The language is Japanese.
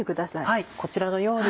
はいこちらのように。